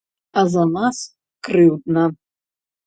А за нас крыўдна.